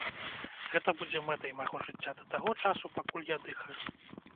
Гэта будзе мэтай майго жыцця да таго часу, пакуль я дыхаю.